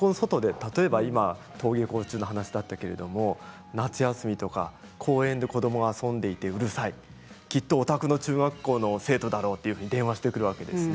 学校の外で例えば登下校中の話だったけれど夏休みとか公園の子どもが遊んでいてうるさいとかきっとお宅の中学校の生徒だとうるさいと電話してくるわけですね。